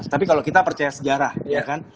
tapi kalau kita percaya sejarah ya kan